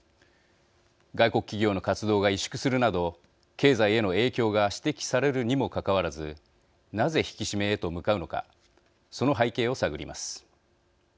外国企業の活動が萎縮するなど経済への影響が指摘されるにもかかわらずなぜ、引き締めへと向かうのかその背景を探ります。